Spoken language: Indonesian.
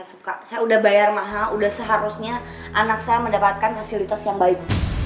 suka saya udah bayar mahal udah seharusnya anak saya mendapatkan fasilitas yang baik